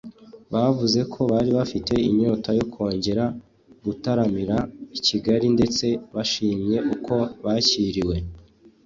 bavuze ko bari bafite inyota yo kongera gutaramira i Kigali ndetse bashimye uko bakiriwe